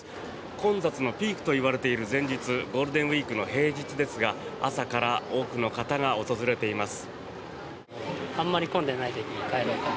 混雑のピークといわれている前日ゴールデンウィークの平日ですが朝から多くの方が訪れています。